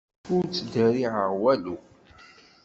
Ur ttderriɛeɣ walu.